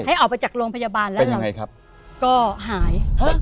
ให้ออกไปจากโรงพยาบาลแล้วเราก็หาย